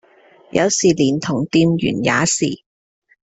有時連同店員也是